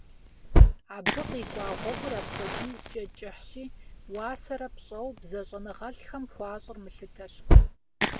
Абы къикӀуа гъуэгур апхуэдизкӀэ кӀыхьщи, уасэрэ пщӀэуэ бзэщӀэныгъэлӀхэм хуащӀыр мылъытэщ.